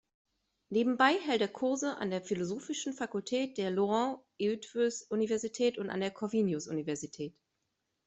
Nebenbei hält er Kurse an der Philosophischen Fakultät der Loránd-Eötvös-Universität und an der Corvinus-Universität.